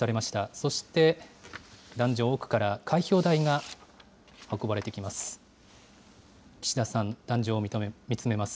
そして、壇上奥から、開票台が運ばれてきます。